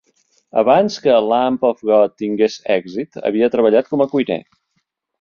Abans que Lamb of God tingués èxit, havia treballat com a cuiner.